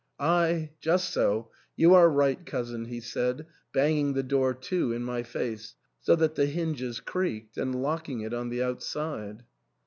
"Ay, just so; you are right, cousin," he said, banging the door to in my face, so that the hinges creaked, and locking it on the outside.